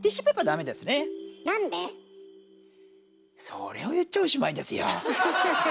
それを言っちゃおしまいですよ。